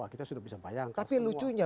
kita sudah bisa bayangkan tapi lucunya